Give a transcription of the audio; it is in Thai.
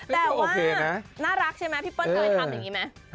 แต่ว่าน่ารักใช่ไหมพี่เปิ้ลเคยทำอย่างนี้ไหม